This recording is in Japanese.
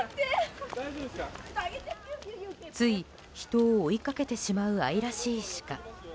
つい、人を追いかけてしまう愛らしいシカ。